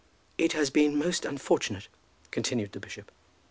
"It has been most unfortunate," continued the bishop.